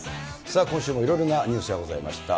さあ、今週もいろいろなニュースがございました。